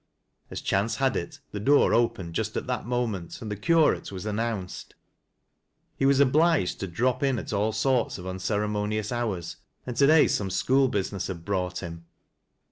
As chance had it, the door opened just at that moment, and the Curate was announced. He was obliged to drop in at all sorts of unceremonious hours, and to day some school business had brought him.